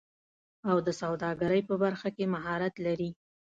او د سوداګرۍ په برخه کې مهارت لري